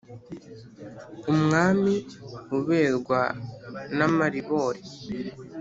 umwami uberwa n' amaribori